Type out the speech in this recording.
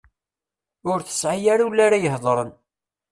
Ur tesɛi ara ul ara ihedren.